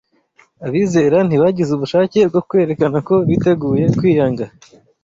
Abizera ntibagize ubushake bwo kwerekana ko biteguye kwiyanga